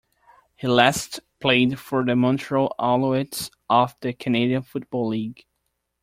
He last played for the Montreal Alouettes of the Canadian Football League.